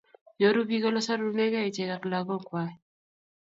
Nyoru bik olesarunekei ichek ak lakok kwai